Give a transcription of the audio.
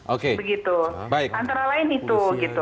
oke begitu antara lain itu gitu